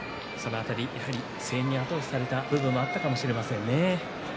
声援に後押しされた部分があったかもしれませんね。